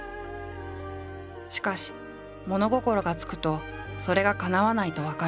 しかし物心がつくとそれがかなわないと分かる。